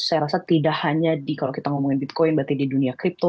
saya rasa tidak hanya kalau kita ngomongin bitcoin berarti di dunia crypto